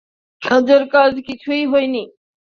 কাজের কাজ কিছুই হচ্ছিল না।